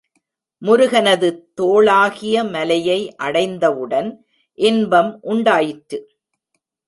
முருகனது தோளாகிய மலையை அடைந்தவுடன் இன்பம் உண்டாயிற்று.